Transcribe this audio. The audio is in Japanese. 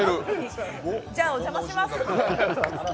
じゃあ、お邪魔します！